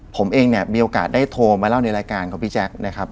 ผมเองเนี่ยมีโอกาสได้โทรมาเล่าในรายการของพี่แจ๊คนะครับ